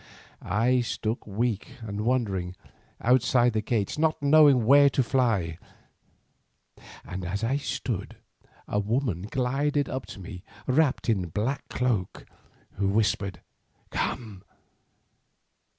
I stood weak and wondering outside the gates, not knowing where to fly, and as I stood a woman glided up to me wrapped in a dark cloak, who whispered 'Come.